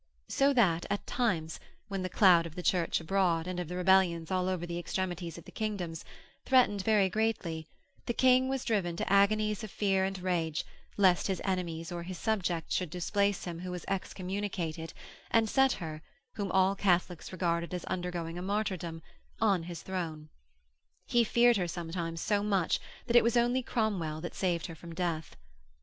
So that at times, when the cloud of the Church abroad, and of the rebellions all over the extremities of the kingdoms, threatened very greatly, the King was driven to agonies of fear and rage lest his enemies or his subjects should displace him who was excommunicated and set her, whom all Catholics regarded as undergoing a martyrdom, on his throne. He feared her sometimes so much that it was only Cromwell that saved her from death.